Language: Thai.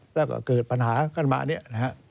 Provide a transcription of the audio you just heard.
แล้วก็เกิดปัญหากันมา